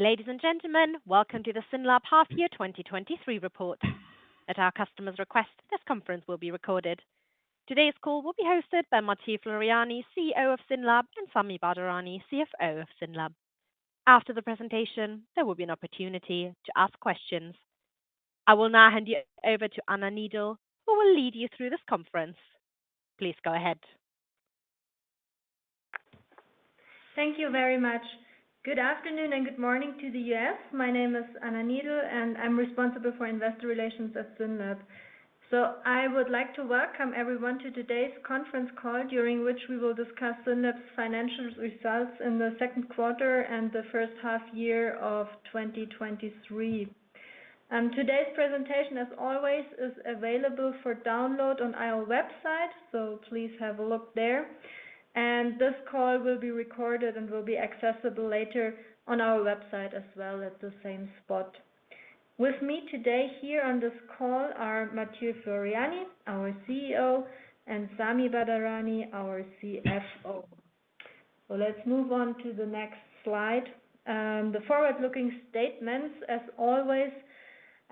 Ladies and gentlemen, welcome to the SYNLAB Half Year 2023 Report. At our customer's request, this conference will be recorded. Today's call will be hosted by Mathieu Floreani, CEO of SYNLAB, and Sami Badarani, CFO of SYNLAB. After the presentation, there will be an opportunity to ask questions. I will now hand you over to Anna Niedel, who will lead you through this conference. Please go ahead. Thank you very much. Good afternoon and good morning to the US. My name is Anna Niedel, and I'm responsible for investor relations at SYNLAB. I would like to welcome everyone to today's conference call, during which we will discuss SYNLAB's financial results in the second quarter and the H1 year of 2023. Today's presentation, as always, is available for download on our website, so please have a look there, and this call will be recorded and will be accessible later on our website as well at the same spot. With me today here on this call are Mathieu Floreani, our CEO, and Sami Badarani, our CFO. Let's move on to the next slide. The forward-looking statements, as always,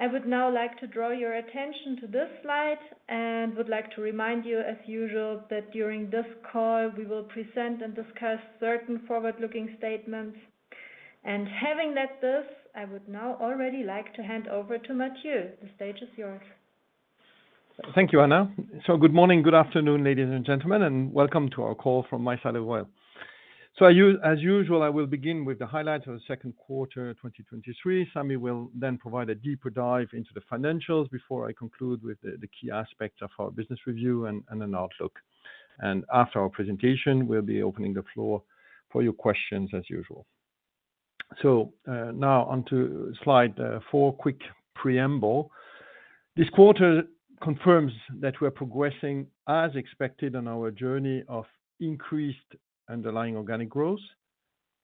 I would now like to draw your attention to this slide and would like to remind you, as usual, that during this call, we will present and discuss certain forward-looking statements. Having said this, I would now already like to hand over to Mathieu. The stage is yours. Thank you, Anna. Good morning, good afternoon, ladies and gentlemen, and welcome to our call from my side as well. As usual, I will begin with the highlights of the second quarter, 2023. Sammy will then provide a deeper dive into the financials before I conclude with the key aspects of our business review and an outlook. After our presentation, we'll be opening the floor for your questions as usual. Now on to slide 4, quick preamble. This quarter confirms that we are progressing as expected on our journey of increased underlying organic growth,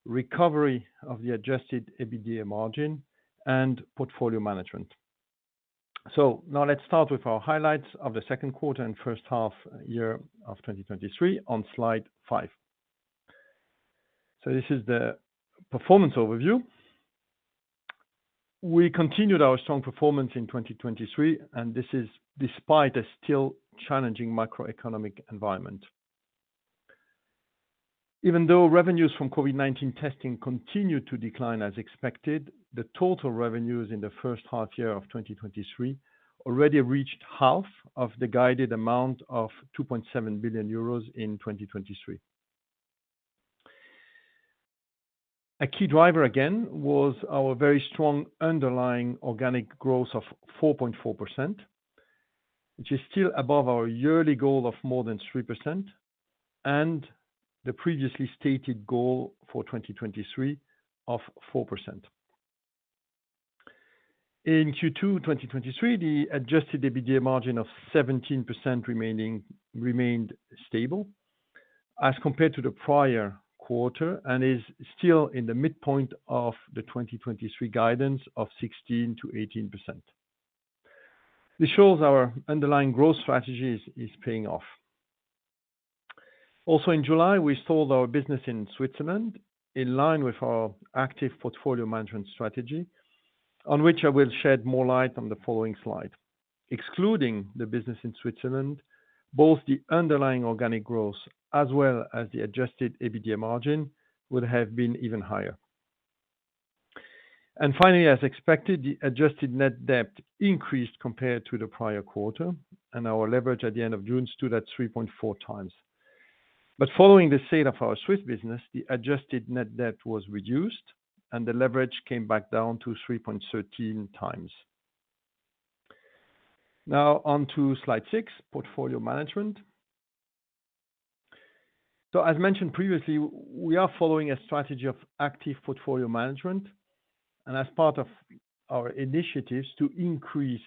recovery of the adjusted EBITDA margin, and portfolio management. Now let's start with our highlights of the second quarter and H1 year of 2023 on slide 5. This is the performance overview. We continued our strong performance in 2023, and this is despite a still challenging macroeconomic environment. Even though revenues from COVID-19 testing continued to decline as expected, the total revenues in the H1 year of 2023 already reached half of the guided amount of 2.7 billion euros in 2023. A key driver again, was our very strong underlying organic growth of 4.4%, which is still above our yearly goal of more than 3% and the previously stated goal for 2023 of 4%. In Q2 2023, the adjusted EBITDA margin of 17% remained stable as compared to the prior quarter and is still in the midpoint of the 2023 guidance of 16%-18%. This shows our underlying growth strategy is paying off. In July, we sold our business in Switzerland, in line with our active portfolio management strategy, on which I will shed more light on the following slide. Excluding the business in Switzerland, both the underlying organic growth as well as the adjusted EBITDA margin would have been even higher. Finally, as expected, the adjusted net debt increased compared to the prior quarter, and our leverage at the end of June stood at 3.4 times. Following the sale of our Swiss business, the adjusted net debt was reduced, and the leverage came back down to 3.13 times. On to Slide 6, portfolio management. As mentioned previously, we are following a strategy of active portfolio management and as part of our initiatives to increase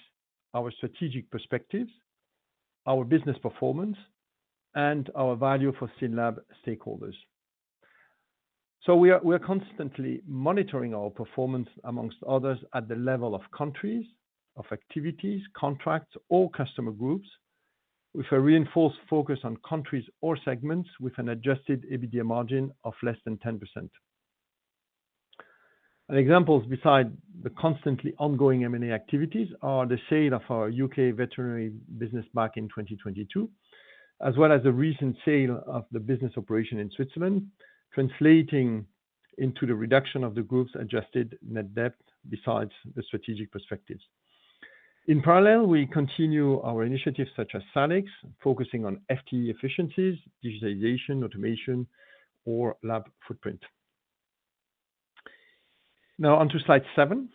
our strategic perspectives, our business performance, and our value for SYNLAB stakeholders. We are constantly monitoring our performance, amongst others, at the level of countries, of activities, contracts, or customer groups, with a reinforced focus on countries or segments with an adjusted EBITDA margin of less than 10%. An example, besides the constantly ongoing M&A activities, are the sale of our U.K. veterinary business back in 2022, as well as the recent sale of the business operation in Switzerland, translating into the reduction of the group's adjusted net debt besides the strategic perspectives. In parallel, we continue our initiatives such as SALIX, focusing on FTE efficiencies, digitalization, automation, or lab footprint. Now onto slide 7.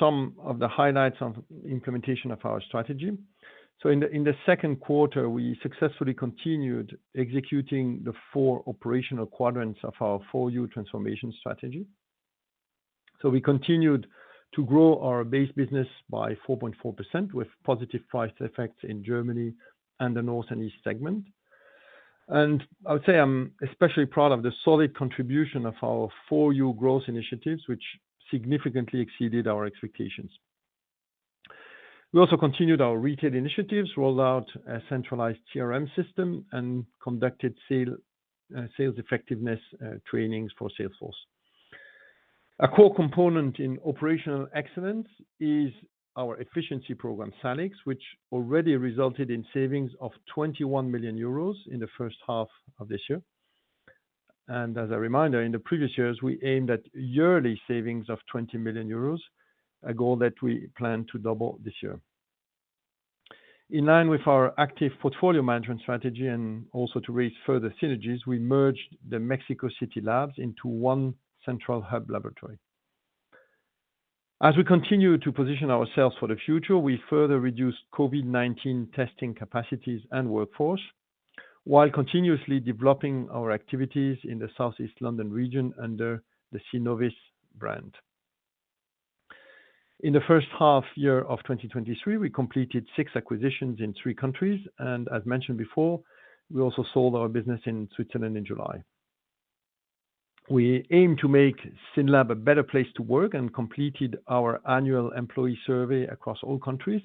Some of the highlights of the implementation of our strategy. In the second quarter, we successfully continued executing the 4 operational quadrants of our For You transformation strategy. We continued to grow our base business by 4.4%, with positive price effects in Germany and the North and East segment. I would say I'm especially proud of the solid contribution of our For You growth initiatives, which significantly exceeded our expectations. We also continued our retail initiatives, rolled out a centralized CRM system, and conducted sales effectiveness trainings for salesforce. A core component in operational excellence is our efficiency program, SALIX, which already resulted in savings of 21 million euros in the H1 of this year. As a reminder, in the previous years, we aimed at yearly savings of 20 million euros, a goal that we plan to double this year. In line with our active portfolio management strategy and also to raise further synergies, we merged the Mexico City labs into one central hub laboratory. As we continue to position ourselves for the future, we further reduced COVID-19 testing capacities and workforce, while continuously developing our activities in the Southeast London region under the Synnovis brand. In the H1 year of 2023, we completed 6 acquisitions in 3 countries. As mentioned before, we also sold our business in Switzerland in July. We aim to make SYNLAB a better place to work and completed our annual employee survey across all countries,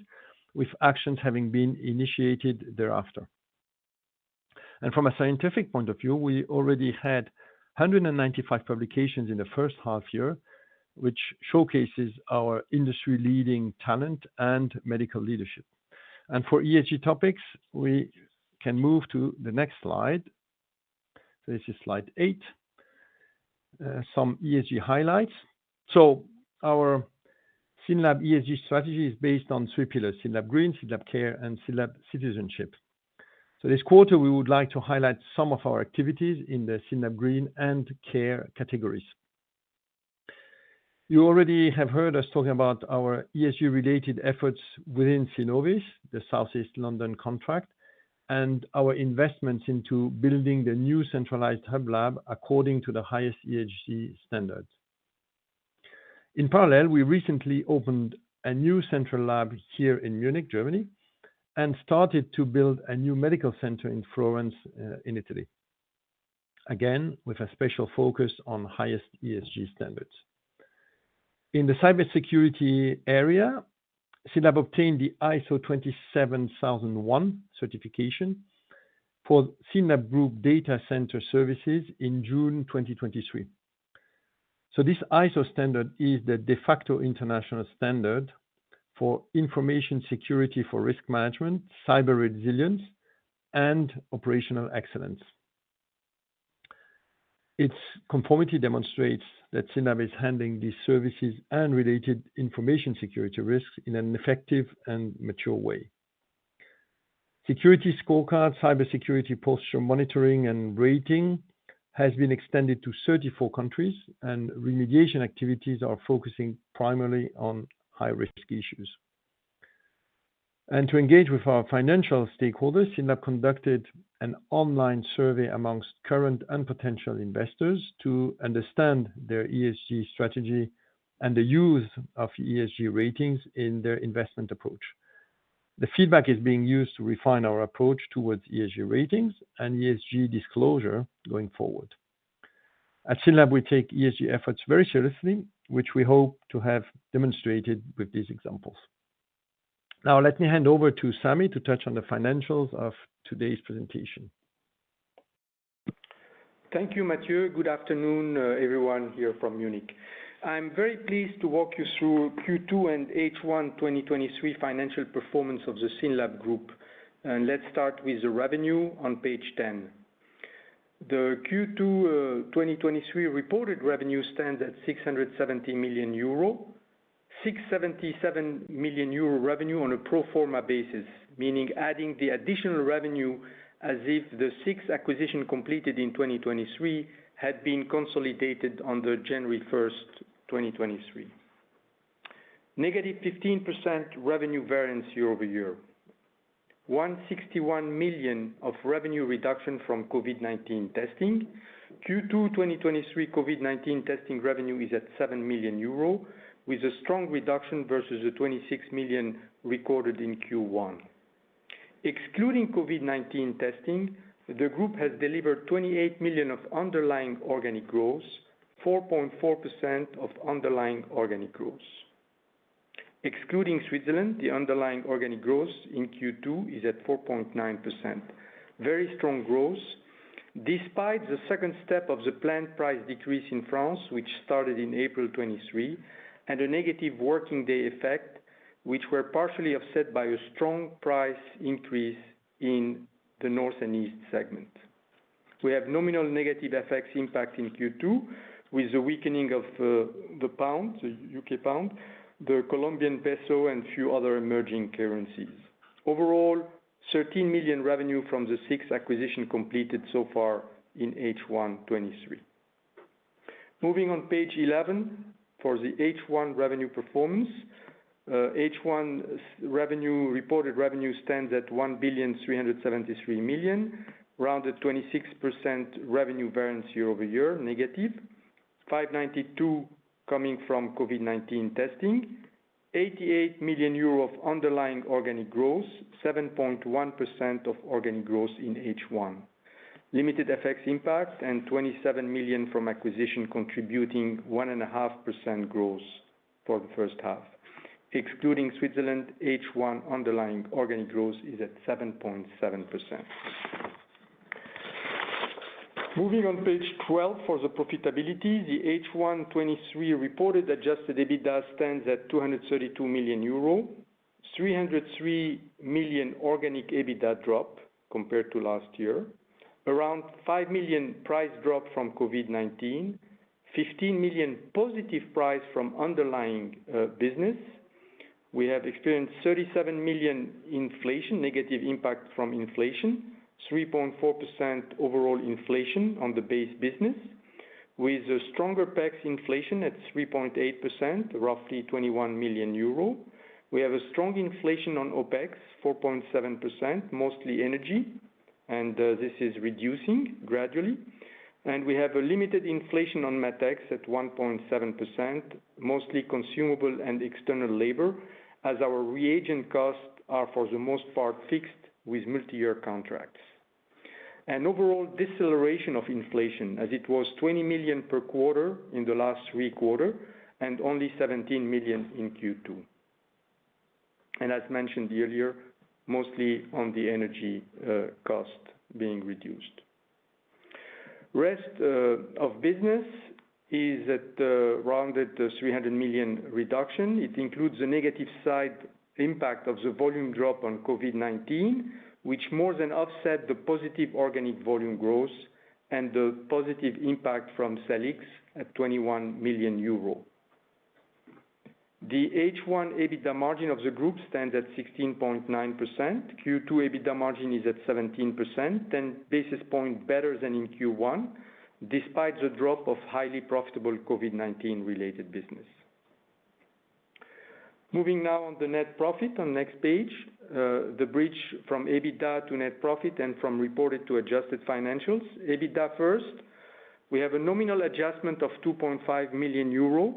with actions having been initiated thereafter. From a scientific point of view, we already had 195 publications in the H1 year, which showcases our industry-leading talent and medical leadership. For ESG topics, we can move to the next slide. This is slide 8. Some ESG highlights. Our SYNLAB ESG strategy is based on 3 pillars: SYNLAB Green, SYNLAB Care, and SYNLAB Citizenship. This quarter, we would like to highlight some of our activities in the SYNLAB Green and SYNLAB Care categories. You already have heard us talking about our ESG-related efforts within Synnovis, the Southeast London contract, and our investments into building the new centralized hub lab according to the highest ESG standards. In parallel, we recently opened a new central lab here in Munich, Germany, and started to build a new medical center in Florence, in Italy. Again, with a special focus on highest ESG standards. In the cybersecurity area, SYNLAB obtained the ISO 27001 certification for SYNLAB Group Data Center Services in June 2023. This ISO standard is the de facto international standard for information security for risk management, cyber resilience, and operational excellence. Its conformity demonstrates that SYNLAB is handling these services and related information security risks in an effective and mature way. SecurityScorecard, cybersecurity posture monitoring and rating has been extended to 34 countries. Remediation activities are focusing primarily on high-risk issues. To engage with our financial stakeholders, SYNLAB conducted an online survey among current and potential investors to understand their ESG strategy and the use of ESG ratings in their investment approach. The feedback is being used to refine our approach towards ESG ratings and ESG disclosure going forward. At SYNLAB, we take ESG efforts very seriously, which we hope to have demonstrated with these examples. Now, let me hand over to Sammy to touch on the financials of today's presentation. Thank you, Mathieu. Good afternoon, everyone, here from Munich. I'm very pleased to walk you through Q2 and H1 2023 financial performance of the SYNLAB Group. Let's start with the revenue on page 10. The Q2 2023 reported revenue stands at 670 million euro. 677 million euro revenue on a pro forma basis, meaning adding the additional revenue as if the 6 acquisition completed in 2023 had been consolidated on the January 1, 2023. Negative 15% revenue variance year-over-year. 161 million of revenue reduction from COVID-19 testing. Q2 2023 COVID-19 testing revenue is at 7 million euro, with a strong reduction versus the 26 million recorded in Q1. Excluding COVID-19 testing, the group has delivered 28 million of underlying organic growth, 4.4% of underlying organic growth. Excluding Switzerland, the underlying organic growth in Q2 is at 4.9%. Very strong growth despite the second step of the planned price decrease in France, which started in April 2023, and a negative working day effect, which were partially offset by a strong price increase in the North and East segment. We have nominal negative effects impact in Q2 with the weakening of the pound, the U.K. pound, the Colombian peso, and few other emerging currencies. Overall, 13 million revenue from the 6 acquisitions completed so far in H1 2023. Moving on page 11, for the H1 revenue performance. H1 reported revenue stands at 1.373 billion, rounded 26% revenue variance year-over-year, negative. 592 million coming from COVID-19 testing. 88 million euro of underlying organic growth, 7.1% of organic growth in H1. Limited FX impact, 27 million from acquisition contributing 1.5% growth for the H1. Excluding Switzerland, H1 underlying organic growth is at 7.7%. Moving on page 12, for the profitability, the H1 2023 reported adjusted EBITDA stands at 232 million euro, 303 million organic EBITDA drop compared to last year. Around 5 million price drop from COVID-19, 15 million positive price from underlying business. We have experienced 37 million inflation, negative impact from inflation, 3.4% overall inflation on the base business, with a stronger PEX inflation at 3.8%, roughly 21 million euro. We have a strong inflation on OPEX, 4.7%, mostly energy, this is reducing gradually. We have a limited inflation on MATEX at 1.7%, mostly consumable and external labor, as our reagent costs are, for the most part, fixed with multi-year contracts. An overall deceleration of inflation as it was 20 million per quarter in the last three quarter and only 17 million in Q2. As mentioned earlier, mostly on the energy cost being reduced. Rest of business is at around 300 million reduction. It includes a negative side impact of the volume drop on COVID-19, which more than offset the positive organic volume growth and the positive impact from SALIX at 21 million euro. The H1 EBITDA margin of the group stands at 16.9%. Q2 EBITDA margin is at 17%, 10 basis points better than in Q1, despite the drop of highly profitable COVID-19 related business. Moving now on the net profit on next page. The bridge from EBITDA to net profit and from reported to adjusted financials. EBITDA first, we have a nominal adjustment of 2.5 million euro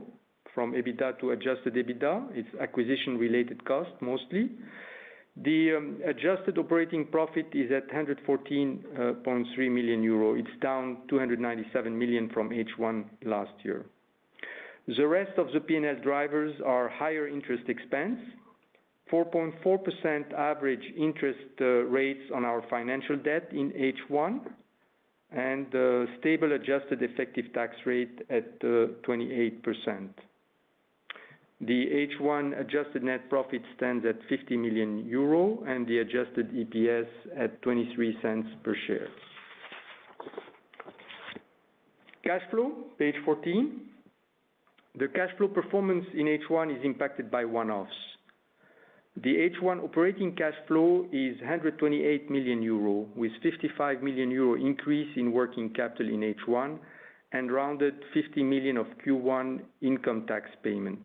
from EBITDA to adjusted EBITDA. It's acquisition-related cost, mostly. The adjusted operating profit is at 114.3 million euro. It's down 297 million from H1 last year. The rest of the P&L drivers are higher interest expense, 4.4% average interest rates on our financial debt in H1, and stable adjusted effective tax rate at 28%. The H1 adjusted net profit stands at 50 million euro, and the adjusted EPS at 0.23 per share. Cash flow, page 14. The cash flow performance in H1 is impacted by one-offs. The H1 operating cash flow is 128 million euro, with 55 million euro increase in working capital in H1, and rounded 50 million of Q1 income tax payment.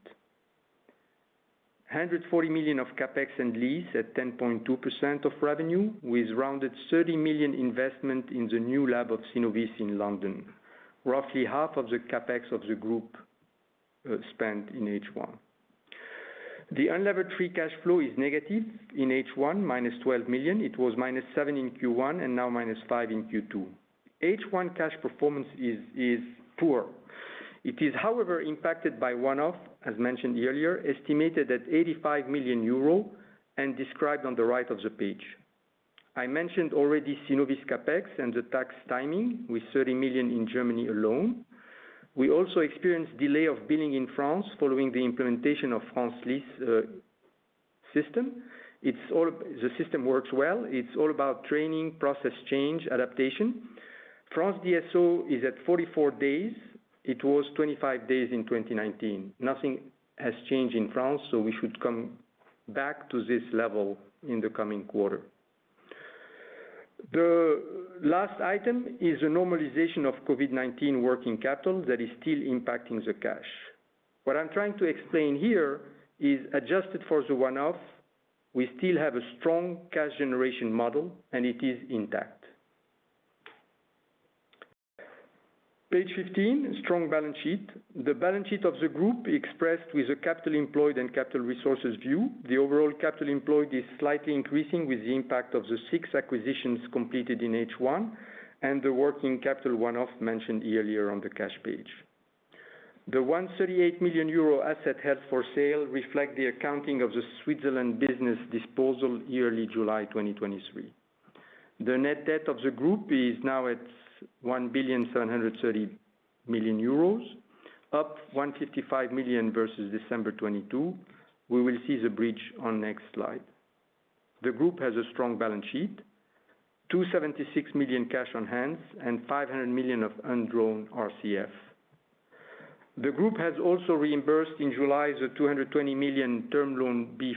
140 million of CapEx and lease at 10.2% of revenue, with rounded 30 million investment in the new lab of Synnovis in London. Roughly half of the CapEx of the group spent in H1. The unlevered free cash flow is negative in H1, -12 million. It was -7 in Q1, and now -5 in Q2. H1 cash performance is, is poor. It is, however, impacted by one-off, as mentioned earlier, estimated at 85 million euro and described on the right of the page. I mentioned already Synnovis CapEx and the tax timing, with 30 million in Germany alone. We also experienced delay of billing in France following the implementation of France LIS system. The system works well. It's all about training, process change, adaptation. France DSO is at 44 days. It was 25 days in 2019. Nothing has changed in France, we should come back to this level in the coming quarter. The last item is the normalization of COVID-19 working capital that is still impacting the cash. What I'm trying to explain here is adjusted for the one-off, we still have a strong cash generation model and it is intact. Page 15, strong balance sheet. The balance sheet of the group expressed with the capital employed and capital resources view. The overall capital employed is slightly increasing, with the impact of the six acquisitions completed in H1 and the working capital one-off mentioned earlier on the cash page. The 138 million euro asset held for sale reflect the accounting of the Switzerland business disposal yearly July 2023. The net debt of the group is now at 1.73 billion, up 155 million versus December 2022. We will see the bridge on next slide. The group has a strong balance sheet, 276 million cash on hand and 500 million of undrawn RCF. The group has also reimbursed in July, the 220 million Term Loan B,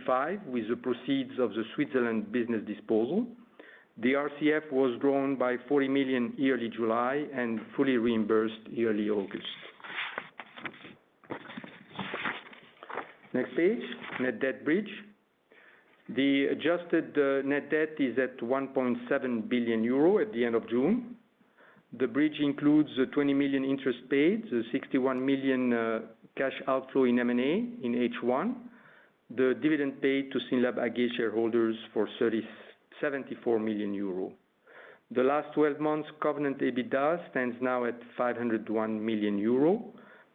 with the proceeds of the Switzerland business disposal. The RCF was drawn by 40 million yearly July and fully reimbursed yearly August. Next page, net debt bridge. The adjusted net debt is at 1.7 billion euro at the end of June. The bridge includes a 20 million interest paid, the 61 million cash outflow in M&A in H1, the dividend paid to SYNLAB AG shareholders for 74 million euro. The last twelve months, covenant EBITDA stands now at 501 million euro.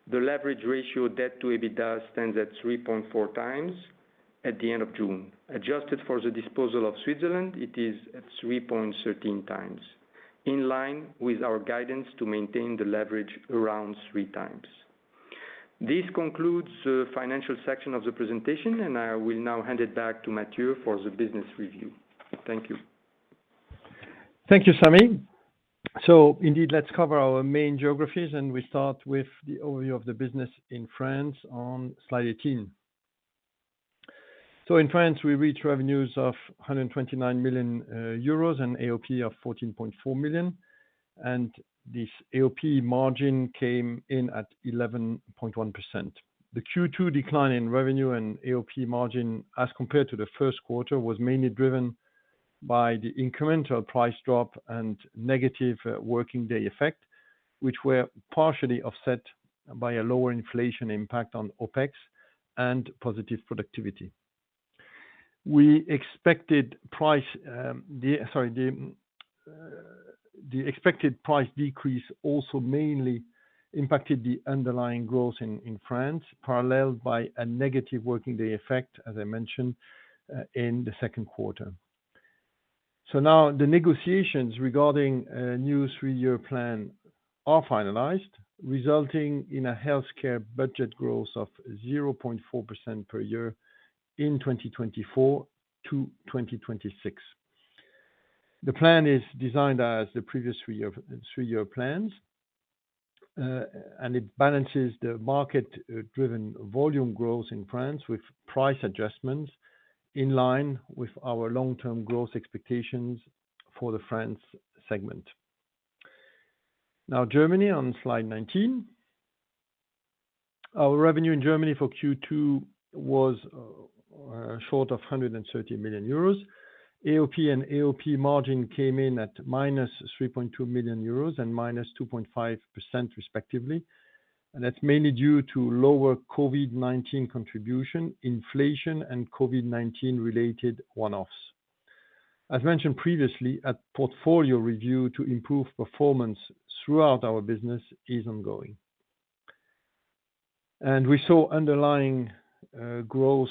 The leverage ratio, debt to EBITDA, stands at 3.4x at the end of June. Adjusted for the disposal of Switzerland, it is at 3.13x, in line with our guidance to maintain the leverage around 3 times. This concludes the financial section of the presentation, and I will now hand it back to Mathieu for the business review. Thank you. Thank you, Sami. Indeed, let's cover our main geographies, and we start with the overview of the business in France on slide 18. In France, we reach revenues of 129 million euros and AOP of 14.4 million, and this AOP margin came in at 11.1%. The Q2 decline in revenue and AOP margin as compared to the first quarter, was mainly driven by the incremental price drop and negative working day effect, which were partially offset by a lower inflation impact on OpEx and positive productivity. We expected price, the expected price decrease also mainly impacted the underlying growth in France, paralleled by a negative working day effect, as I mentioned, in the second quarter. Now the negotiations regarding a new three-year plan are finalized, resulting in a healthcare budget growth of 0.4% per year in 2024-2026. The plan is designed as the previous three-year, three-year plans, and it balances the market-driven volume growth in France with price adjustments in line with our long-term growth expectations for the France segment. Now, Germany on slide 19. Our revenue in Germany for Q2 was short of 130 million euros. AOP and AOP margin came in at minus 3.2 million euros and minus 2.5%, respectively. That's mainly due to lower COVID-19 contribution, inflation, and COVID-19 related one-offs. As mentioned previously, a portfolio review to improve performance throughout our business is ongoing. We saw underlying growth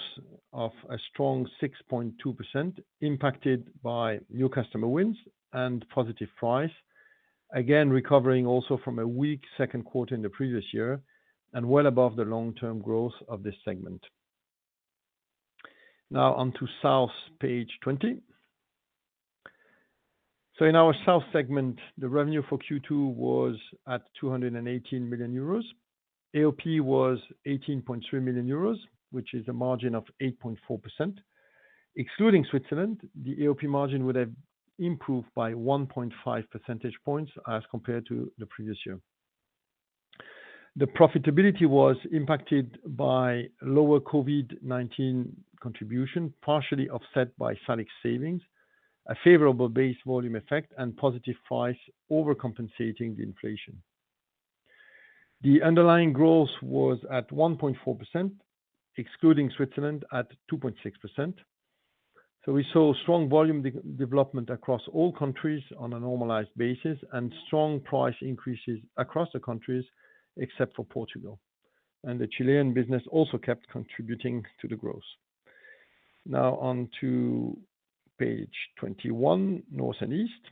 of a strong 6.2%, impacted by new customer wins and positive price. Again, recovering also from a weak second quarter in the previous year and well above the long-term growth of this segment. Now on to South, page 20. In our South segment, the revenue for Q2 was at 218 million euros. AOP was 18.3 million euros, which is a margin of 8.4%. Excluding Switzerland, the AOP margin would have improved by 1.5 percentage points as compared to the previous year. The profitability was impacted by lower COVID-19 contribution, partially offset by SALIX savings, a favorable base volume effect, and positive price overcompensating the inflation. The underlying growth was at 1.4%, excluding Switzerland, at 2.6%. We saw strong volume development across all countries on a normalized basis and strong price increases across the countries, except for Portugal. The Chilean business also kept contributing to the growth. Now on to page 21, North and East.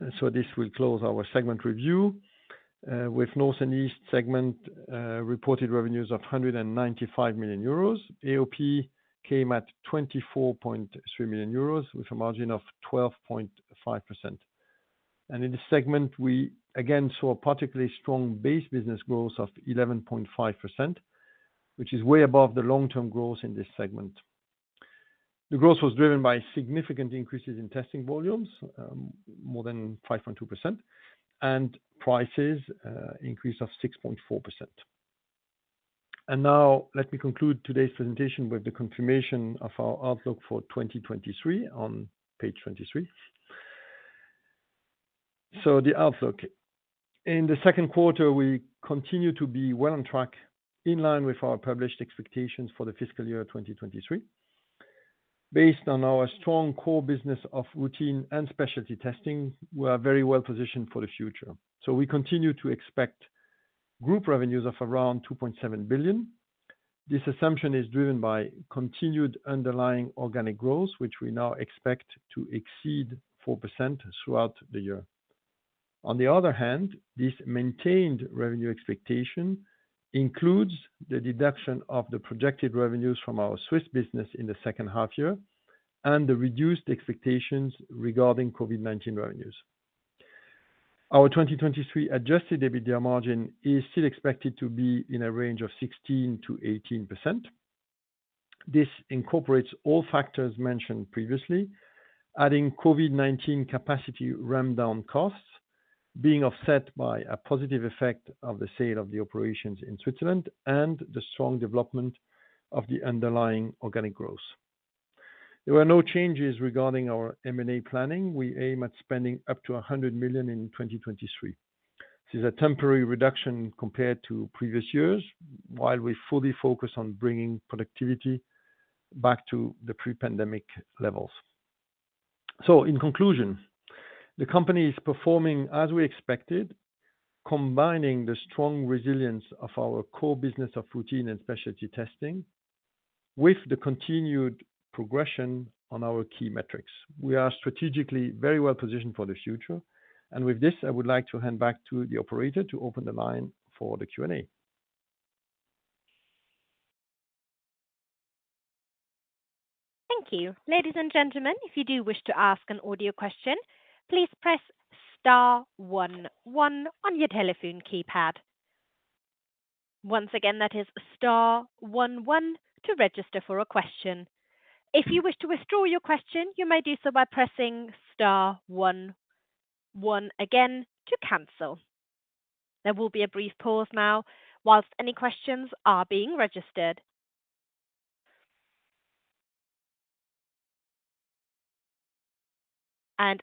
This will close our segment review with North and East segment reported revenues of 195 million euros. AOP came at 24.3 million euros, with a margin of 12.5%. In this segment, we again saw a particularly strong base business growth of 11.5%, which is way above the long-term growth in this segment. The growth was driven by significant increases in testing volumes, more than 5.2%, and prices, increase of 6.4%. Now let me conclude today's presentation with the confirmation of our outlook for 2023 on page 23. The outlook. In the second quarter, we continue to be well on track, in line with our published expectations for the fiscal year 2023. Based on our strong core business of routine and specialty testing, we are very well positioned for the future. We continue to expect group revenues of around 2.7 billion. This assumption is driven by continued underlying organic growth, which we now expect to exceed 4% throughout the year. On the other hand, this maintained revenue expectation includes the deduction of the projected revenues from our Swiss business in the H2 year and the reduced expectations regarding COVID-19 revenues. Our 2023 adjusted EBITDA margin is still expected to be in a range of 16%-18%. This incorporates all factors mentioned previously, adding COVID-19 capacity ramp down costs being offset by a positive effect of the sale of the operations in Switzerland and the strong development of the underlying organic growth. There were no changes regarding our M&A planning. We aim at spending up to 100 million in 2023. This is a temporary reduction compared to previous years, while we fully focus on bringing productivity back to the pre-pandemic levels. In conclusion, the company is performing as we expected, combining the strong resilience of our core business of routine and specialty testing with the continued progression on our key metrics. We are strategically very well positioned for the future. With this, I would like to hand back to the operator to open the line for the Q&A. Thank you. Ladies and gentlemen, if you do wish to ask an audio question, please press star one one on your telephone keypad. Once again, that is star one one to register for a question. If you wish to withdraw your question, you may do so by pressing star one one again to cancel. There will be a brief pause now while any questions are being registered.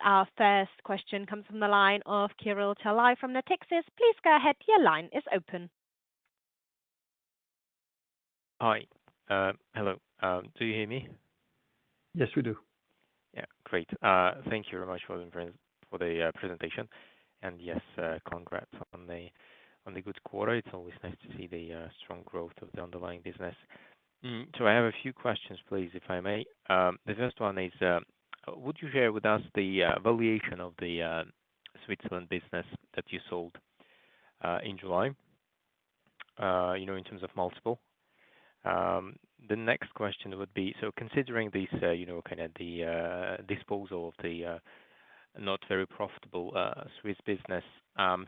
Our first question comes from the line of Kirill Talai from Natixis. Please go ahead. Your line is open. Hi, hello. Do you hear me? Yes, we do. Yeah, great. Thank you very much for the presentation. Yes, congrats on the good quarter. It's always nice to see the, strong growth of the underlying business. I have a few questions, please, if I may. The first one is, would you share with us the, valuation of the, Switzerland business that you sold, in July? You know, in terms of multiple. The next question would be, considering this, you know, kinda the, disposal of the, not very profitable, Swiss business,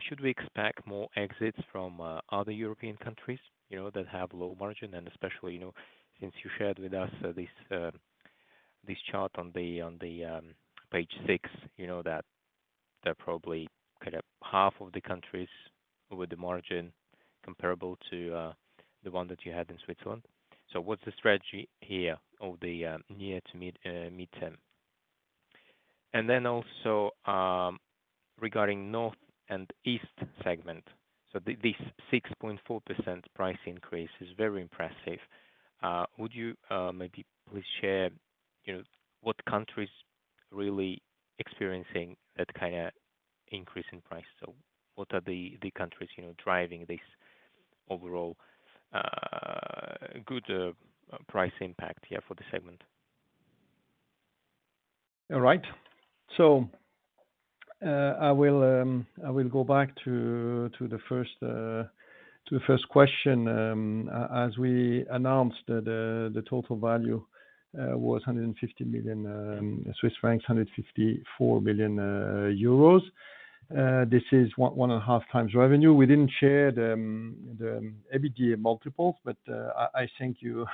should we expect more exits from, other European countries, you know, that have low margin? Especially, you know, since you shared with us this, this chart on the, on the page 6, you know, that there are probably kind of half of the countries with the margin comparable to the one that you had in Switzerland. What's the strategy here of the near to mid midterm? Then also, regarding North and East segment. This 6.4% price increase is very impressive. Would you maybe please share, you know, what countries really experiencing that kinda increase in price? What are the, the countries, you know, driving this overall good price impact here for the segment? All right. I will go back to the first to the first question. As we announced, the total value was 150 million Swiss francs, 154 million euros. This is 1.5x revenue. We didn't share the EBITDA multiples, but I think you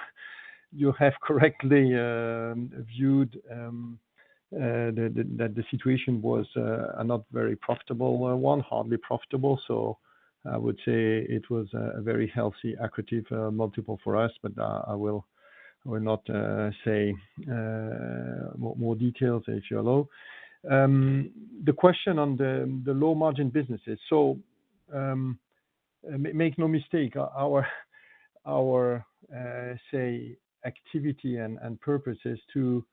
have correctly viewed that the situation was not very profitable, hardly profitable. I would say it was a very healthy, accretive multiple for us, but I will not say more details here. The question on the low-margin businesses. Make no mistake, our, our activity and purpose is to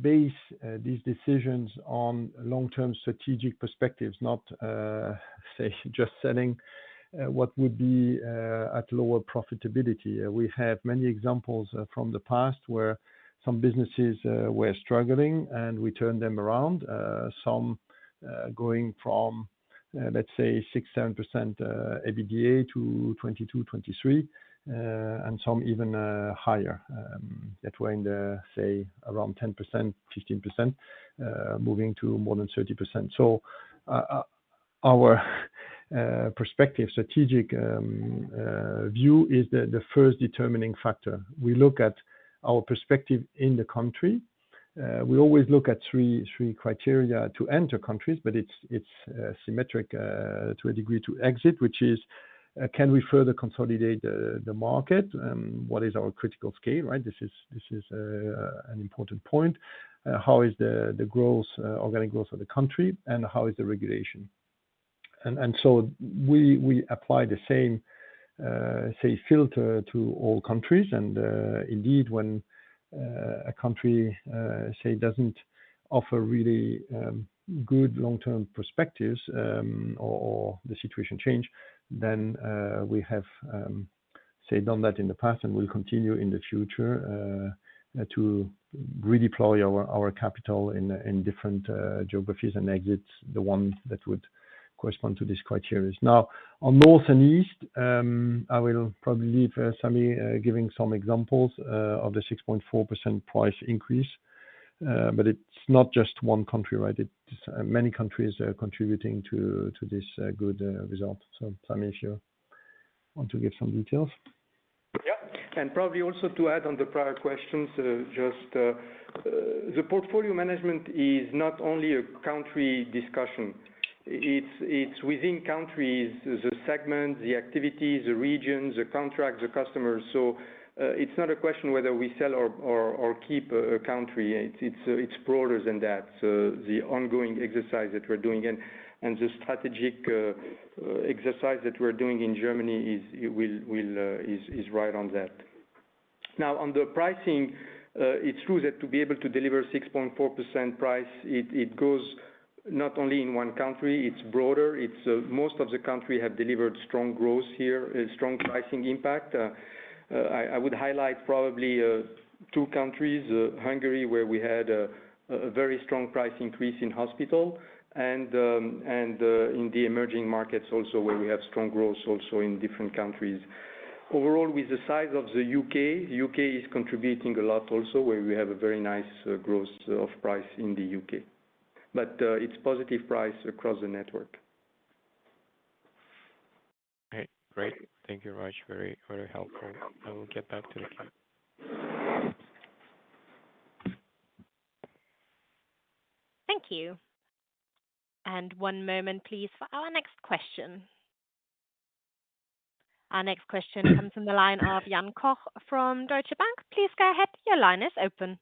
base these decisions on long-term strategic perspectives, not just selling what would be at lower profitability. We have many examples from the past where some businesses were struggling, and we turned them around, some going from, let's say 6%, 7% EBITDA to 22%, 23%, and some even higher that were in the, say, around 10%, 15% moving to more than 30%. Our perspective, strategic view is the first determining factor. We look at our perspective in the country. We always look at 3, 3 criteria to enter countries, but it's, it's symmetric to a degree, to exit, which is, can we further consolidate the market? What is our critical scale, right? This is, this is an important point. How is the growth, organic growth of the country, and how is the regulation? So we apply the same, say, filter to all countries. Indeed, when a country, say, doesn't offer really good long-term perspectives, or the situation change, then we have, say, done that in the past and will continue in the future to redeploy our capital in different geographies and exit the one that would correspond to these criteria. Now, on North and East, I will probably leave Sammy giving some examples of the 6.4% price increase. It's not just one country, right? It's many countries are contributing to, to this, good, result. Sammy, if you want to give some details. Yeah. Probably also to add on the prior questions, just the portfolio management is not only a country discussion, it's, it's within countries, the segments, the activities, the regions, the contracts, the customers. It's not a question whether we sell or, or, or keep a country. It's, it's broader than that. The ongoing exercise that we're doing and, and the strategic exercise that we're doing in Germany is, will, will, is, is right on that. Now, on the pricing, it's true that to be able to deliver 6.4% price, it, it goes not only in one country, it's broader. It's, most of the country have delivered strong growth here, a strong pricing impact. I, I would highlight probably two countries, Hungary, where we had a very strong price increase in hospital, and, in the emerging markets also, where we have strong growth also in different countries. Overall, with the size of the UK, UK is contributing a lot also, where we have a very nice growth of price in the UK, but, it's positive price across the network. Great. Thank you, Raj. Very, very helpful. I will get back to you. Thank you. One moment, please, for our next question. Our next question comes from the line of Jan Koch from Deutsche Bank. Please go ahead. Your line is open.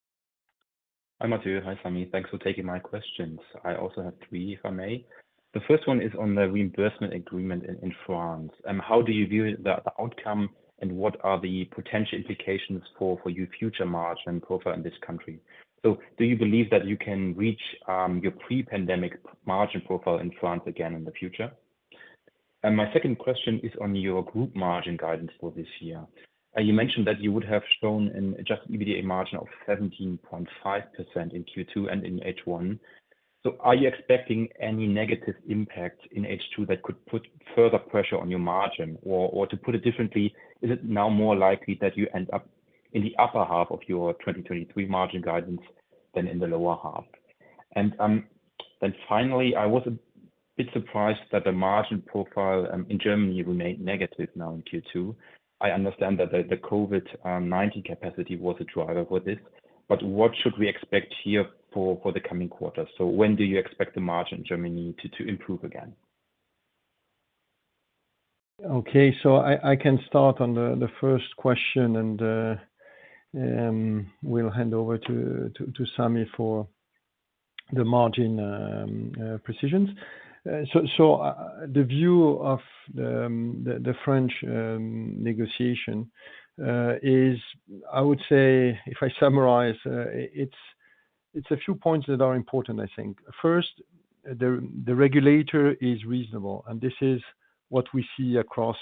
Hi, Mathieu. Hi, Sami. Thanks for taking my questions. I also have three, if I may. The first one is on the reimbursement agreement in, in France. How do you view the, the outcome, and what are the potential implications for, for your future margin profile in this country? Do you believe that you can reach, your pre-pandemic margin profile in France again in the future? My second question is on your group margin guidance for this year. You mentioned that you would have shown an adjusted EBITDA margin of 17.5% in Q2 and in H1. Are you expecting any negative impact in H2 that could put further pressure on your margin? Or, or to put it differently, is it now more likely that you end up in the upper half of your 2023 margin guidance than in the lower half? Finally, I was a bit surprised that the margin profile in Germany remained negative now in Q2. I understand that the COVID-19 capacity was a driver for this, but what should we expect here for the coming quarters? When do you expect the margin in Germany to improve again? Okay, I can start on the first question, and we'll hand over to Sammy for the margin precisions. The view of the French negotiation is, I would say, if I summarize, it's a few points that are important, I think. First, the regulator is reasonable, and this is what we see across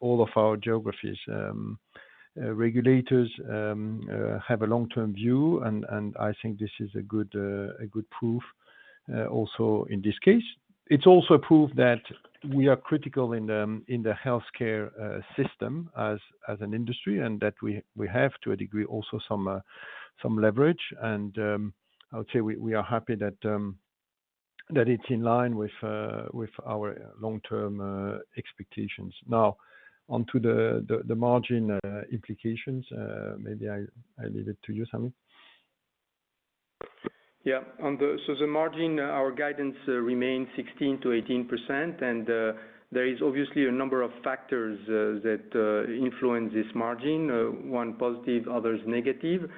all of our geographies. Regulators have a long-term view, and I think this is a good proof also in this case. It's also a proof that we are critical in the healthcare system as an industry, and that we have, to a degree, also some leverage. I would say we, we are happy that it's in line with our long-term expectations. Now, on to the, the, the margin implications, maybe I, I leave it to you, Sammy. On the margin, our guidance remains 16%-18%, and there is obviously a number of factors that influence this margin, one positive, others negative.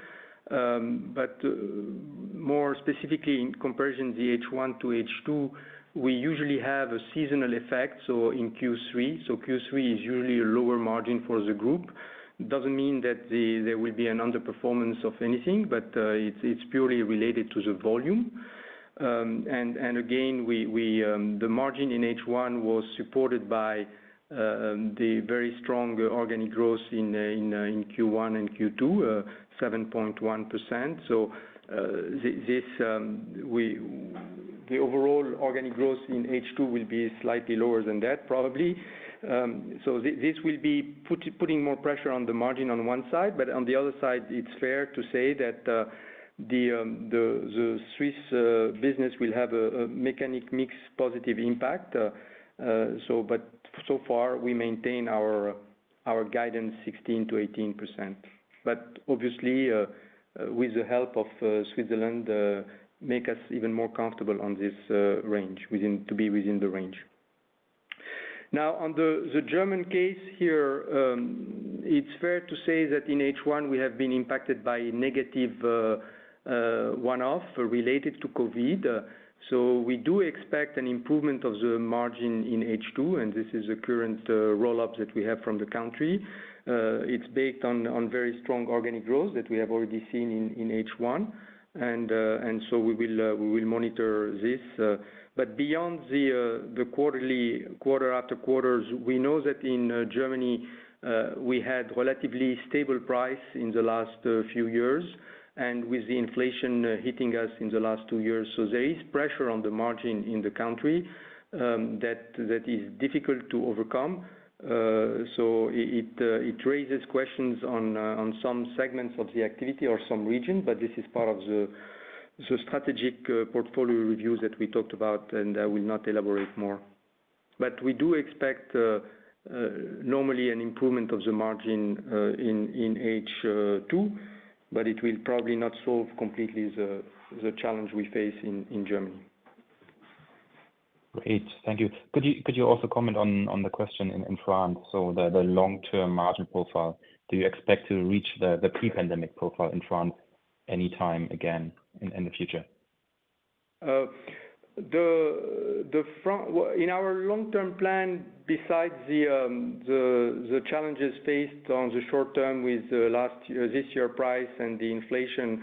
More specifically, in comparison, the H1 to H2, we usually have a seasonal effect, so in Q3. Q3 is usually a lower margin for the group. It doesn't mean that there will be an underperformance of anything, but it's purely related to the volume. Again, we, we, the margin in H1 was supported by the very strong organic growth in Q1 and Q2, 7.1%. This, The overall organic growth in H2 will be slightly lower than that, probably. So this will be putting more pressure on the margin on one side, but on the other side, it's fair to say that the Swiss business will have a mechanic mix, positive impact. So far, we maintain our guidance 16%-18%. Obviously, with the help of Switzerland, make us even more comfortable on this range, within, to be within the range. Now, on the German case here, it's fair to say that in H1, we have been impacted by a negative one-off related to COVID. We do expect an improvement of the margin in H2, and this is the current roll-up that we have from the country. It's based on, on very strong organic growth that we have already seen in, in H1. We will monitor this. Beyond the quarterly, quarter after quarter, we know that in Germany, we had relatively stable price in the last few years, and with the inflation hitting us in the last 2 years. There is pressure on the margin in the country that is difficult to overcome. It raises questions on some segments of the activity or some regions, but this is part of the strategic portfolio review that we talked about, and I will not elaborate more. We do expect normally an improvement of the margin in H2, but it will probably not solve completely the challenge we face in Germany. Great. Thank you. Could you also comment on the question in France, the long-term margin profile? Do you expect to reach the pre-pandemic profile in France anytime again in the future? The, the Fr-- Well, in our long-term plan, besides the challenges faced on the short term with last year, this year price and the inflation,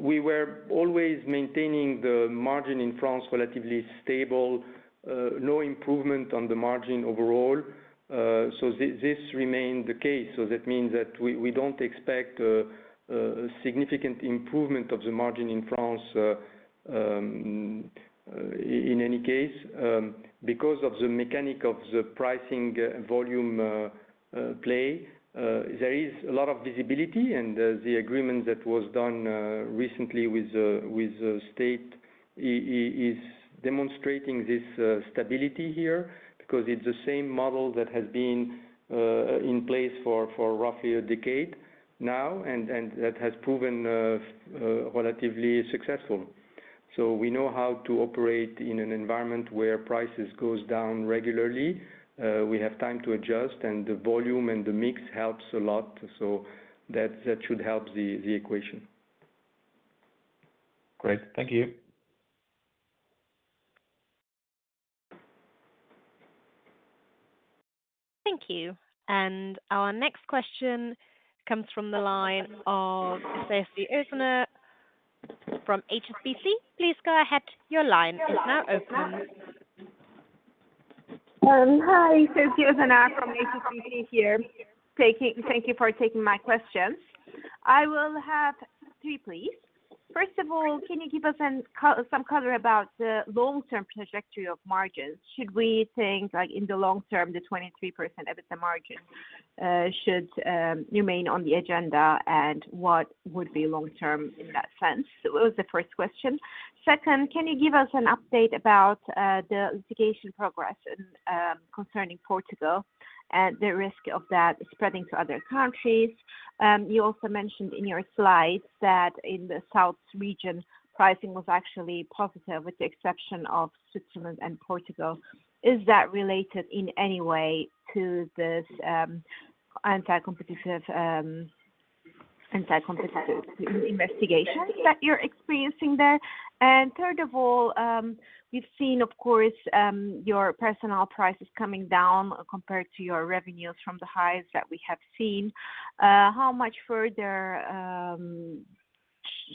we were always maintaining the margin in France, relatively stable, no improvement on the margin overall. So this remained the case, so that means that we, we don't expect significant improvement of the margin in France, in any case. Because of the mechanic of the pricing volume play, there is a lot of visibility, and the agreement that was done recently with the, with the state is demonstrating this stability here, because it's the same model that has been in place for, for roughly a decade now, and that has proven relatively successful. We know how to operate in an environment where prices goes down regularly. We have time to adjust, and the volume and the mix helps a lot. That, that should help the, the equation. Great. Thank you. Thank you. Our next question comes from the line of Sezgi Oezener from HSBC. Please go ahead. Your line is now open. Hi, Sezgi Oezener from HSBC here. Thank you for taking my questions. I will have three, please. First of all, can you give us some color about the long-term trajectory of margins? Should we think, like, in the long term, the 23% EBITDA margin should remain on the agenda, and what would be long term in that sense? It was the first question. Second, can you give us an update about the litigation progress concerning Portugal, and the risk of that spreading to other countries? You also mentioned in your slides that in the South region, pricing was actually positive, with the exception of Switzerland and Portugal. Is that related in any way to this anti-competitive investigation that you're experiencing there? Third of all, we've seen, of course, your personal prices coming down compared to your revenues from the highs that we have seen. How much further,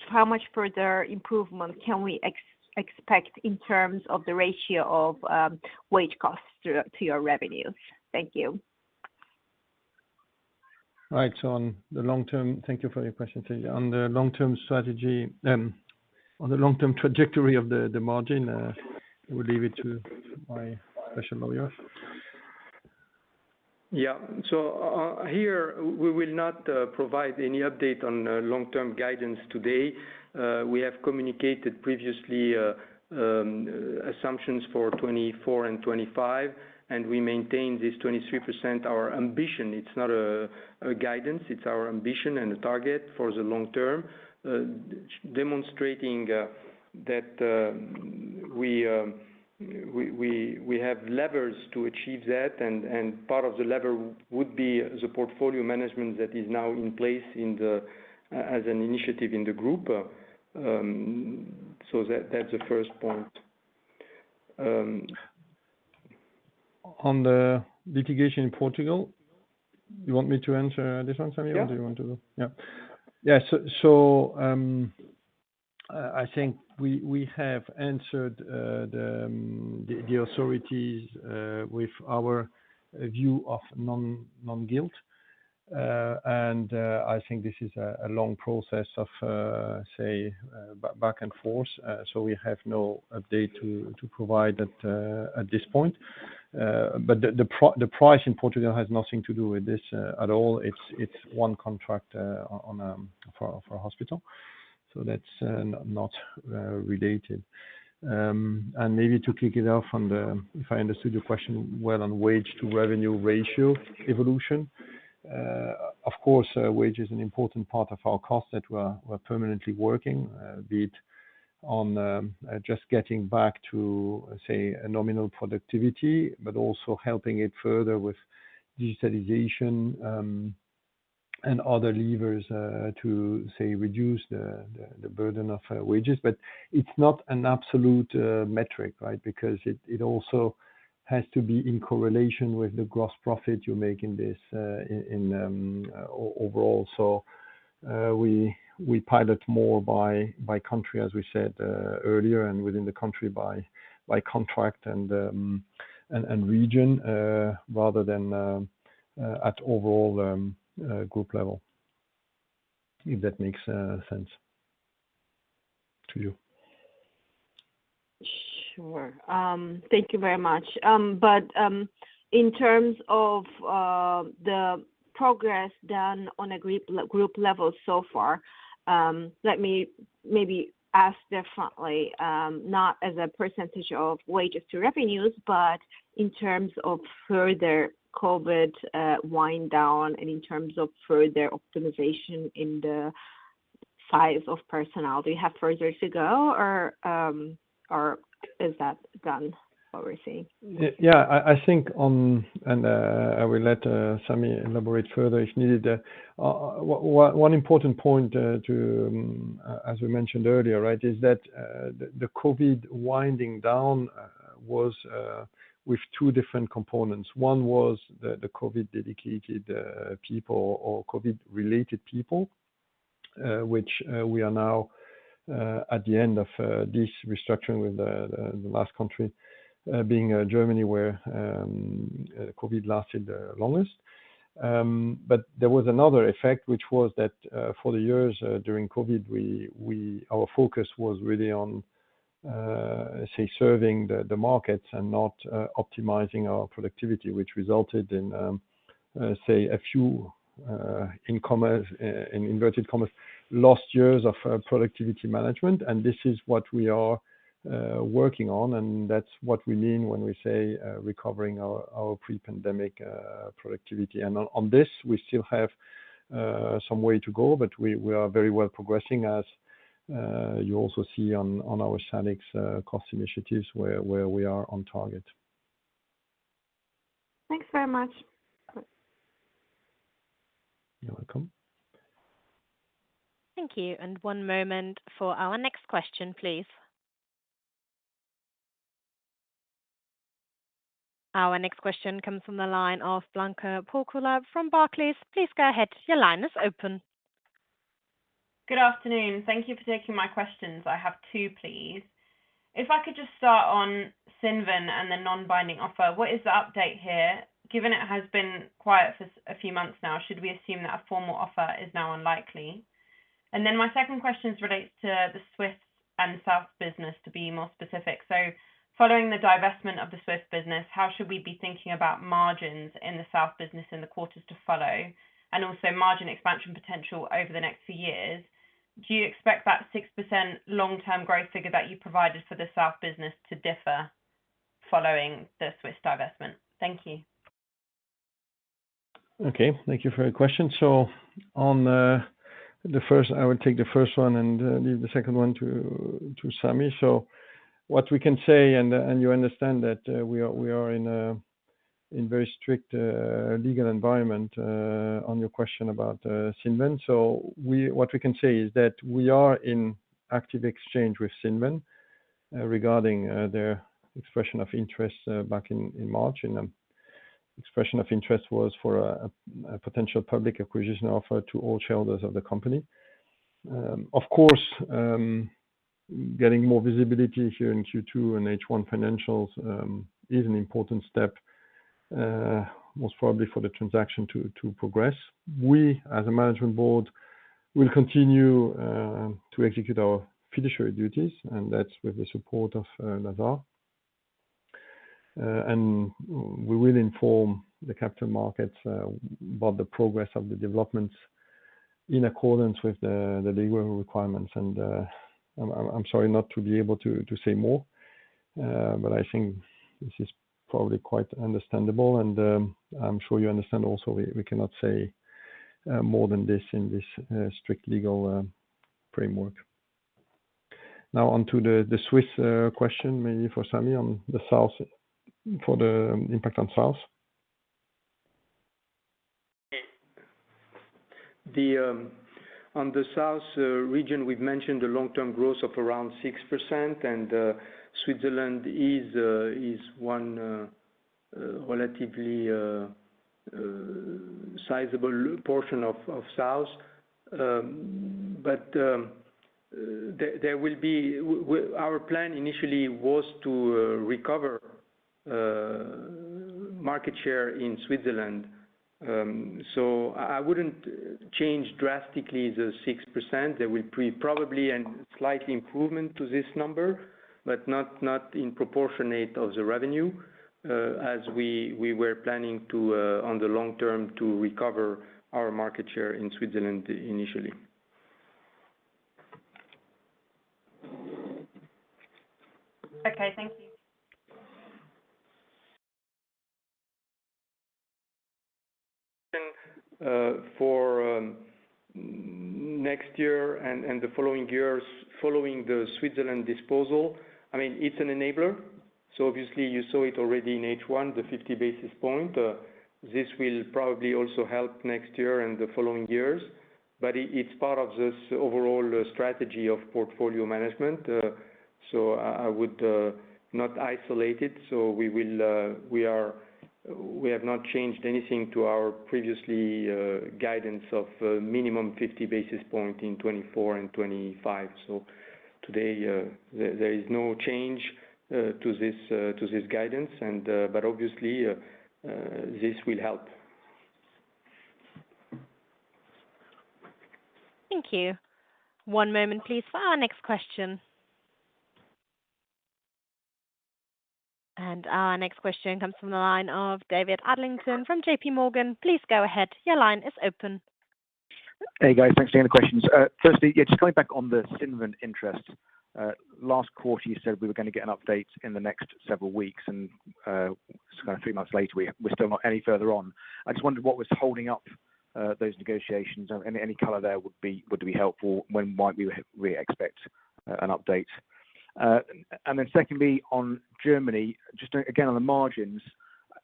how much further improvement can we expect in terms of the ratio of wage costs to, to your revenues? Thank you. All right. On the long term... Thank you for your question, Sofie. On the long-term strategy, on the long-term trajectory of the, the margin, I will leave it to my special lawyers. Yeah. Here, we will not provide any update on long-term guidance today. We have communicated previously assumptions for 2024 and 2025, and we maintain this 23%, our ambition. It's not a, a guidance, it's our ambition and target for the long term. Demonstrating that we, we, we have levers to achieve that, and, and part of the lever would be the portfolio management that is now in place in the as an initiative in the group. That, that's the first point. On the litigation in Portugal, you want me to answer this one, Sami, or do you want to? Yeah. Yeah. Yeah, so, so, I think we, we have answered the, the authorities with our view of non, non-guilt. I think this is a long process of say back and forth, so we have no update to provide at this point. But the, the price in Portugal has nothing to do with this at all. It's, it's one contract on for a hospital. That's not related. Maybe to kick it off on the, if I understood your question well on wage-to-revenue ratio evolution. Of course, wage is an important part of our cost that we're, we're permanently working, be it on, just getting back to, say, a nominal productivity, but also helping it further with digitalization, and other levers, to say, reduce the, the, the burden of wages. It's not an absolute metric, right? Because it, it also has to be in correlation with the gross profit you make in this, in overall. We pilot more by country, as we said earlier, and within the country by, by contract and and region, rather than at overall group level. If that makes sense to you? Sure. Thank you very much. In terms of the progress done on a group, group level so far, let me maybe ask differently. Not as a % of wages to revenues, but in terms of further COVID wind down and in terms of further optimization in the size of personnel. Do you have further to go or is that done, what we're seeing? Yeah, I, I think I will let Sami elaborate further if needed. One important point to as we mentioned earlier, right, is that the COVID winding down was with two different components. One was the COVID dedicated people or COVID-related people, which we are now at the end of this restructuring with the last country being Germany, where COVID lasted the longest. There was another effect, which was that, for the years during COVID, we, our focus was really on, say, serving the markets and not optimizing our productivity, which resulted in, say, a few, in inverted commas, lost years of productivity management, and this is what we are working on, and that's what we mean when we say, recovering our pre-pandemic productivity. On this, we still have some way to go, but we are very well progressing, as you also see on our SALIX cost initiatives, where we are on target. Thanks very much. You're welcome. Thank you, and one moment for our next question, please. Our next question comes from the line of Blanca Pawlowska from Barclays. Please go ahead, your line is open. Good afternoon. Thank you for taking my questions. I have two, please. If I could just start on Cinven and the non-binding offer. What is the update here? Given it has been quiet for a few months now, should we assume that a formal offer is now unlikely? My second question relates to the Swiss and South business, to be more specific. Following the divestment of the Swiss business, how should we be thinking about margins in the South business in the quarters to follow, and also margin expansion potential over the next few years? Do you expect that 6% long-term growth figure that you provided for the South business to differ following the Swiss divestment? Thank you. Okay, thank you for your question. On the first-- I will take the first one and leave the second one to Sammy. What we can say and you understand that we are in a very strict legal environment on your question about Cinven. We, what we can say is that we are in active exchange with Cinven regarding their expression of interest back in March, and expression of interest was for a potential public acquisition offer to all shareholders of the company. Of course, getting more visibility here in Q2 and H1 financials is an important step most probably for the transaction to progress. We, as a management board, will continue to execute our fiduciary duties, and that's with the support of Lazard. We will inform the capital markets about the progress of the developments in accordance with the legal requirements, and I'm sorry not to be able to say more, but I think this is probably quite understandable. I'm sure you understand also, we cannot say more than this in this strict legal framework. Now on to the Swiss question, maybe for Sammy on the South, for the impact on South. The on the South region, we've mentioned a long-term growth of around 6%. Switzerland is one relatively sizable portion of South. There will be. Our plan initially was to recover market share in Switzerland. I wouldn't change drastically the 6%. There will be probably a slight improvement to this number, but not, not in proportionate of the revenue, as we were planning to on the long term, to recover our market share in Switzerland initially. Okay, thank you. For next year and, and the following years, following the Switzerland disposal, I mean, it's an enabler. Obviously, you saw it already in H1, the 50 basis point. This will probably also help next year and the following years, but it, it's part of this overall strategy of portfolio management. I, I would not isolate it. We will, we have not changed anything to our previously, guidance of minimum 50 basis point in 2024 and 2025. Today, there, there is no change to this, to this guidance, and obviously, this will help. Thank you. One moment, please, for our next question. Our next question comes from the line of David Adlington from J.P. Morgan. Please go ahead. Your line is open. Hey, guys. Thanks for taking the questions. Firstly, just coming back on the Cinven interest. Last quarter, you said we were going to get an update in the next several weeks, and three months later, we, we're still not any further on. I just wondered what was holding up those negotiations, and any color there would be, would be helpful. When might we, we expect an update? Secondly, on Germany, just, again, on the margins,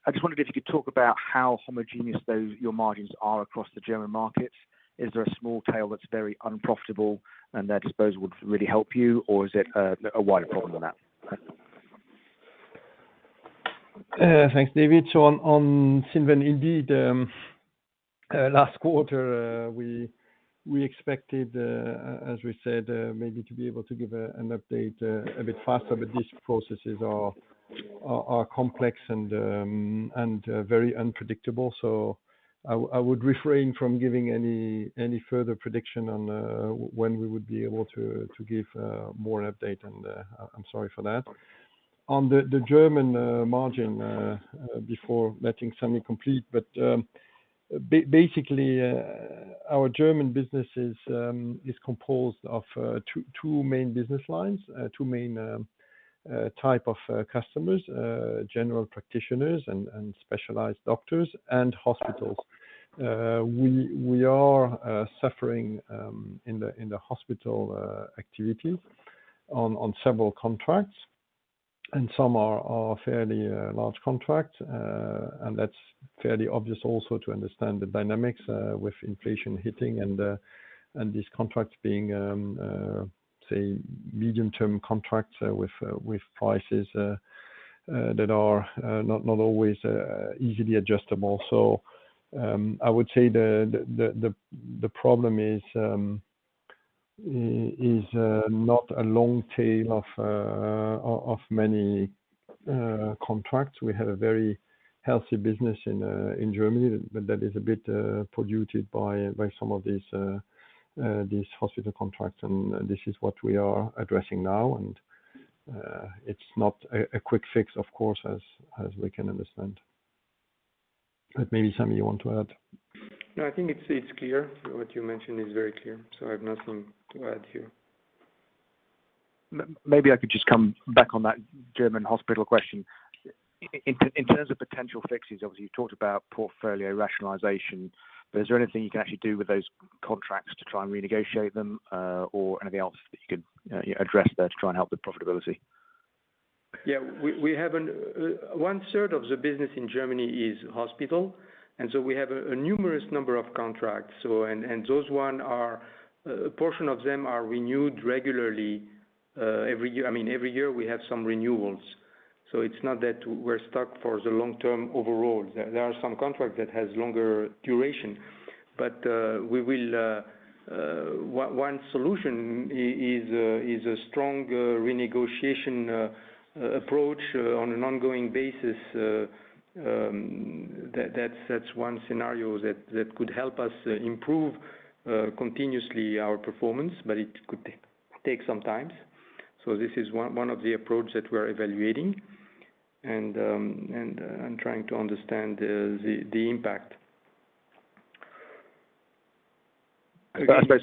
I just wondered if you could talk about how homogeneous your margins are across the German market. Is there a small tail that's very unprofitable and that would really help you? Or is it a wider problem than that? Thanks, David. On, on Cinven, indeed, last quarter, we, we expected, as we said, maybe to be able to give an update a bit faster, but these processes are, are, are complex and very unpredictable. I would refrain from giving any further prediction on when we would be able to give more update, and I'm sorry for that. On the German margin, before letting Sami complete, but basically, our German business is composed of two, two main business lines, two main type of customers, general practitioners and specialized doctors and hospitals. We, we are suffering in the hospital activities on several contracts, and some are fairly large contracts. That's fairly obvious also to understand the dynamics with inflation hitting and these contracts being, say, medium-term contracts with prices that are not always easily adjustable. I would say the problem is not a long tail of many contracts. We have a very healthy business in Germany, but that is a bit polluted by some of these these hospital contracts, and this is what we are addressing now. It's not a quick fix, of course, as we can understand. Maybe, Sami, you want to add? No, I think it's, it's clear. What you mentioned is very clear, so I have nothing to add here. maybe I could just come back on that German hospital question. In, in terms of potential fixes, obviously, you've talked about portfolio rationalization, but is there anything you can actually do with those contracts to try and renegotiate them, or anything else that you could address there to try and help with profitability? Yeah. We have an 1/3 of the business in Germany is hospital, and so we have a numerous number of contracts. And those one are, a portion of them are renewed regularly, every year. I mean, every year we have some renewals, so it's not that we're stuck for the long term overall. There are some contracts that has longer duration, but we will... One solution is a strong renegotiation approach on an ongoing basis, that's one scenario that could help us improve continuously our performance, but it could take some time. This is one of the approaches that we're evaluating and I'm trying to understand the impact. I suppose.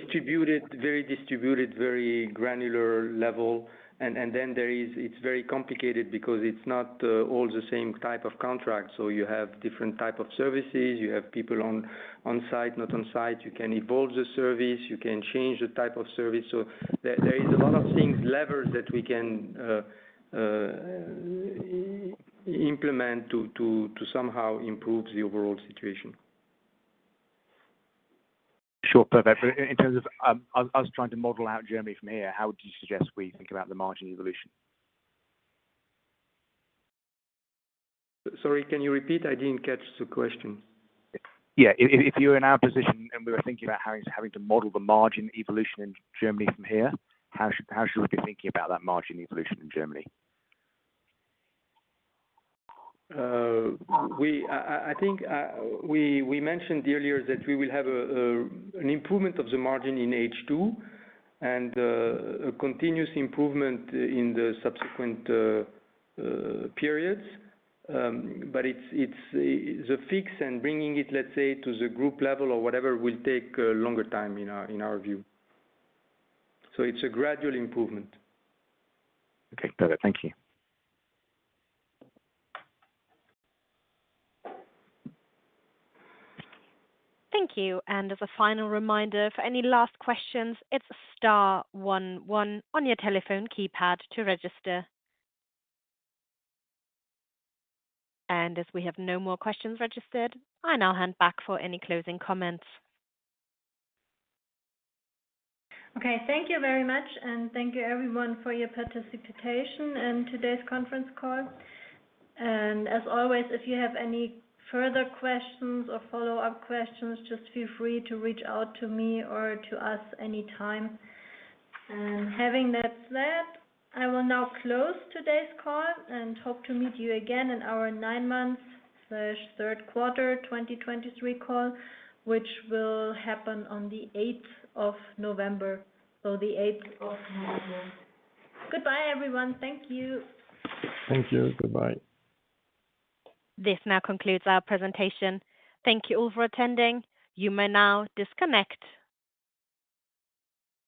Distributed, very distributed, very granular level. It's very complicated because it's not all the same type of contract. You have different type of services, you have people on, on site, not on site. You can evolve the service, you can change the type of service. There, there is a lot of things, levers that we can implement to, to, to somehow improve the overall situation. Sure. Perfect. In terms of us trying to model out Germany from here, how would you suggest we think about the margin evolution? Sorry, can you repeat? I didn't catch the question. Yeah. If you're in our position, and we were thinking about having to model the margin evolution in Germany from here, how should we be thinking about that margin evolution in Germany? I think, we mentioned earlier that we will have an improvement of the margin in H2 and a continuous improvement in the subsequent periods. It's, it's, the fix and bringing it, let's say, to the group level or whatever, will take a longer time in our, in our view. It's a gradual improvement. Okay. Perfect. Thank you. Thank you. As a final reminder, for any last questions, it's star one one on your telephone keypad to register. As we have no more questions registered, I now hand back for any closing comments. Okay. Thank you very much, thank you everyone for your participation in today's conference call. As always, if you have any further questions or follow-up questions, just feel free to reach out to me or to us anytime. Having that said, I will now close today's call and hope to meet you again in our nine-month/third quarter 2023 call, which will happen on the eighth of November. The eighth of November. Goodbye, everyone. Thank you. Thank you. Goodbye. This now concludes our presentation. Thank you all for attending. You may now disconnect.